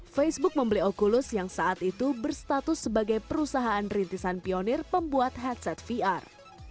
facebook membeli oculus yang saat itu berstatus sebagai perusahaan rintisan pionir pembuat headset vr